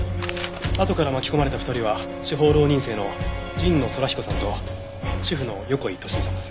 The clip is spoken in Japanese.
あとから巻き込まれた２人は司法浪人生の陣野宇彦さんと主婦の横井敏美さんです。